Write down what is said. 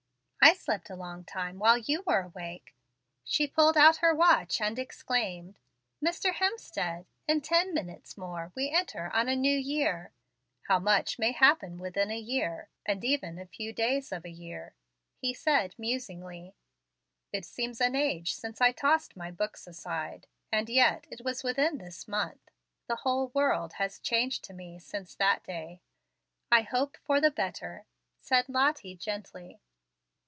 "I slept a long time while you were awake." She pulled out her watch, and exclaimed: "Mr. Hemstead! in ten minutes more we enter on a new year." "How much may happen within a year, and even a few days of a year," he said, musingly. "It seems an age since I tossed my books aside, and yet, it was within this month. The whole world has changed to me since that day." "I hope for the better," said Lottie, gently.